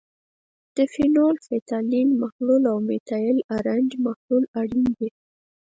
فینول فتالین محلول او میتایل ارنج محلول اړین دي.